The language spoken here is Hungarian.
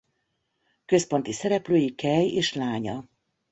Központi szereplői Kei és lánya.